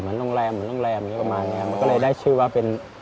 เหมือนโรงแรมเหมือนโรงแรมอย่างเงี้ยประมาณเนี้ยมันก็เลยได้ชื่อว่าเป็น